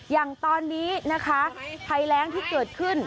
อย่างตอนนี้นะคะภัยแรงที่เกิดขึ้น